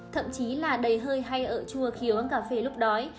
thậm chí là đầy hơi hay ợ chua khi uống cà phê lúc đói